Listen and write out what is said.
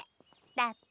だって。